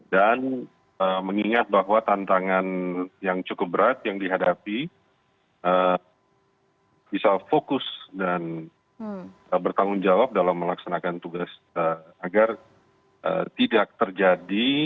dan mengingat bahwa tantangan yang cukup berat yang dihadapi bisa fokus dan bertanggung jawab dalam melaksanakan tugas agar tidak terjadi